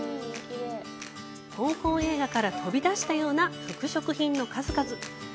香港映画から飛び出したような服飾品の数々。